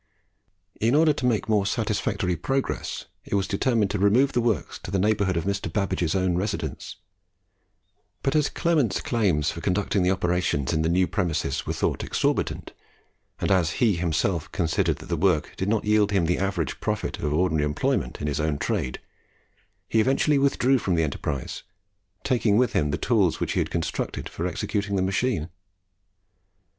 In order to make more satisfactory progress, it was determined to remove the works to the neighbourhood of Mr. Babbage's own residence; but as Clement's claims for conducting the operations in the new premises were thought exorbitant, and as he himself considered that the work did not yield him the average profit of ordinary employment in his own trade, he eventually withdrew from the enterprise, taking with him the tools which he had constructed for executing the machine.